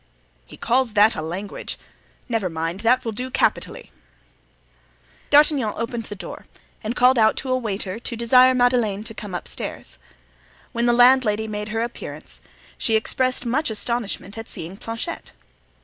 "He calls that a language! But never mind, that will do capitally." D'Artagnan opened the door and called out to a waiter to desire Madeleine to come upstairs. When the landlady made her appearance she expressed much astonishment at seeing Planchet.